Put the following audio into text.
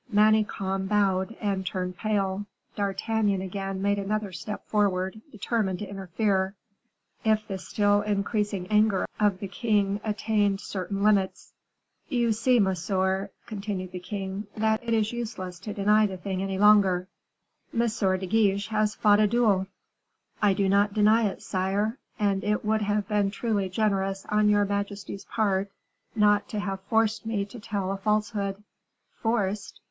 Manicamp bowed and turned pale. D'Artagnan again made another step forward, determined to interfere, if the still increasing anger of the king attained certain limits. "You see, monsieur," continued the king, "that it is useless to deny the thing any longer. M. de Guiche has fought a duel." "I do not deny it, sire, and it would have been truly generous on your majesty's part not to have forced me to tell a falsehood." "Forced?